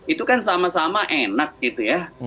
itu kan sama sama enak gitu ya